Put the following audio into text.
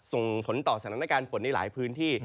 ส่งผลต่อสถานการณ์ฝนในหลายพื้นที่